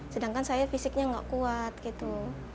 sedangkan saya fisiknya nggak kuat gitu